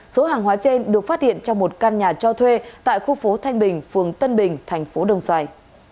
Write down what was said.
số hàng hóa trên được phát hiện trong một căn nhà cho thuê tại khu phố thanh bình phường tân bình thành phố đồng xoài